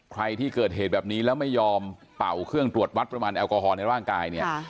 ใครที่เกิดเหตุแบบนี้แล้วไม่ยอมเป่าเครื่องตรวจวัดปริมาณแอลกอฮอลในร่างกายเนี่ย